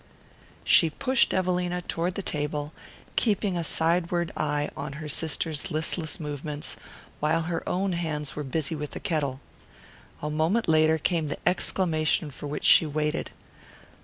She pushed Evelina toward the table, keeping a sideward eye on her sister's listless movements, while her own hands were busy with the kettle. A moment later came the exclamation for which she waited.